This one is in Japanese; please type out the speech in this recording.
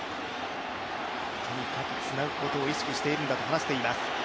とにかくつなぐことを意識しているんだと話しています。